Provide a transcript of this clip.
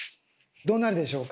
どうなるでしょうか？